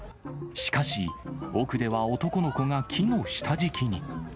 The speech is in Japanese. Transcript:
しかし、奥では男の子が木の下敷きに。